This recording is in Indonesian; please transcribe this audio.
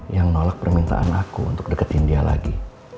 yang nolak permintaan aku untuk deketin dia lagi